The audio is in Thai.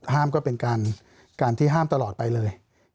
ห้ามก็เป็นการที่ห้ามตลอดไปเลย